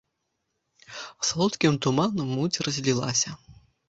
Салодкім туманам муць разлілася.